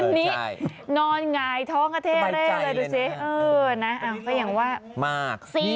อันนี้นอนหงายท้องกระเทศเลยดูสิเออนะอย่างว่า๔๐